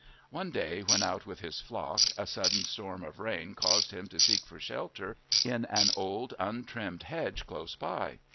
One day when out with his flock a sudden storm of rain caused him to seek for shelter in an old untrimmed hedge close by.